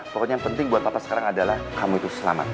pokoknya yang penting buat apa sekarang adalah kamu itu selamat